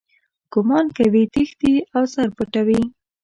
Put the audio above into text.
ګومان کوي تښتي او سر پټوي.